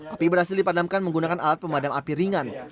api berhasil dipadamkan menggunakan alat pemadam api ringan